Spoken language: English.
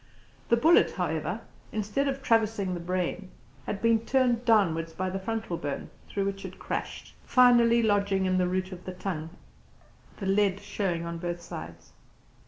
The bullet, however, instead of traversing the brain, had been turned downwards by the frontal bone, through which it crashed, finally lodging in the root of the tongue, the lead showing on both sides.